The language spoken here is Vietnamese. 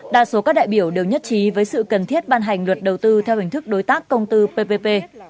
đa số các đại biểu đều nhất trí với sự cần thiết ban hành luật đầu tư theo hình thức đối tác công tư ppp